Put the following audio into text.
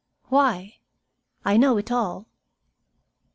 "Why? I know it all."